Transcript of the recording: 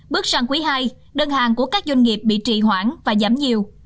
bước sang quý ii đơn hàng của các doanh nghiệp bị trị hoãn và giảm nhiều